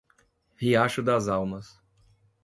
Riacho das Almas